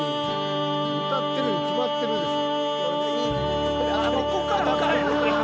歌ってるに決まってるでしょ。